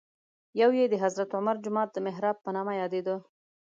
یو یې د حضرت عمر جومات د محراب په نامه یادېده.